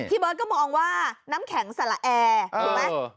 เบิร์ตก็มองว่าน้ำแข็งสละแอร์ถูกไหม